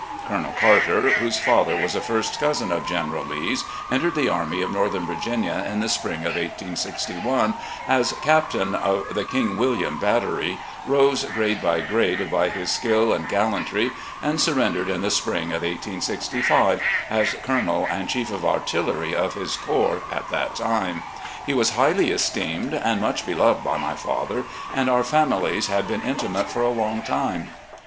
Colonel Carter, whose father was a first cousin of General Lee's, entered the Army of Northern Virginia in the spring of i86i, as captain of the "King William Battery," rose grade by grade by his skill and gallantry, and surrendered in the spring of 1865, as Colonel and Chief of Artillery of his corps at that time. He was highly esteemed and much beloved by my father, and our families had been intimate for a long time.